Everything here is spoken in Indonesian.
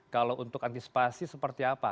kalau untuk antisipasi seperti apa